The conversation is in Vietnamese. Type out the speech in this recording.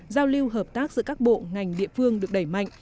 giao lưu hợp tác giữa các bộ ngành địa phương được đẩy mạnh